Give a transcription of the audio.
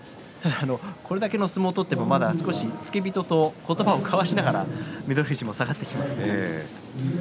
これだけの相撲を取っても付け人と言葉をかわしながら翠富士、下がっていきます。